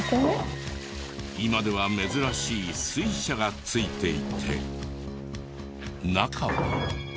今では珍しい水車が付いていて中は。